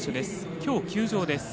今日、休場です。